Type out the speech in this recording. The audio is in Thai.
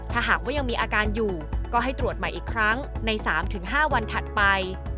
ถ้าหากว่ายังมีอาการอยู่ก็ให้ตรวจใหม่อีกครั้งใน๓๕วันถัดไป